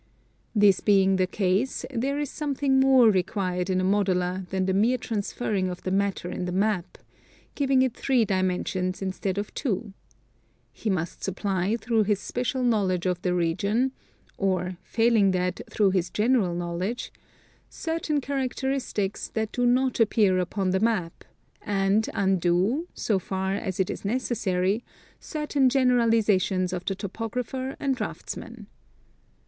This being the case, there is something more required in a modeler than the mere transferring of the matter in the map, — giving it three dimensions instead of two: he must supply through his special knowledge of the region (or, failing that through his general knowledge) certain characteristics that do not appear upon the map, and undo, so far as it is necessary, certain generalizations of the topographer and draughtsman.